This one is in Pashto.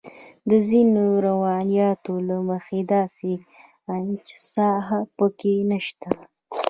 د ځینو روایتونو له مخې داسې انچ ساحه په کې نه شته.